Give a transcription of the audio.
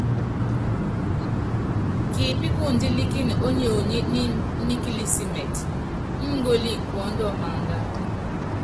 Kipíkundílíkíni ónyonyi nikilísimitɛ, ukíngóli kuɔ́ndɔ maánda.